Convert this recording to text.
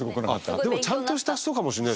でもちゃんとした人かもしれないですよね